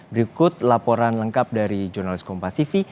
berikut laporan lengkap dari jurnalis kompas tv